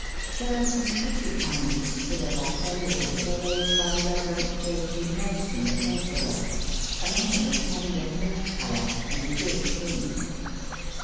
There are some pretty kinds of Scilla bifolia that were raised by the Rev. J. G. Nelson of Aldborough, among them a tender flesh colour and a good pink.